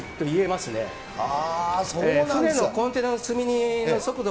船のコンテナの積み荷の速度